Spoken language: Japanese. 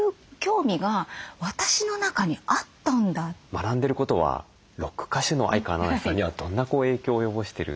学んでることはロック歌手の相川七瀬さんにはどんな影響を及ぼしてる？